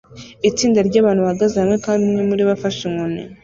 Itsinda ryabantu bahagaze hamwe kandi umwe muribo afashe inkoni